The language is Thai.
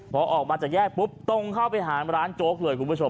พอออกมาจากแยกปุ๊บตรงเข้าไปหาร้านโจ๊กเลยคุณผู้ชม